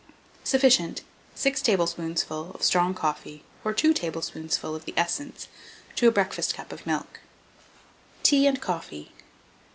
Sufficient. 6 tablespoonfuls of strong coffee, or 2 tablespoonfuls of the essence, to a breakfast cupful of milk. TEA AND COFFEE.